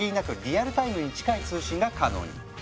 リアルタイムに近い通信が可能に。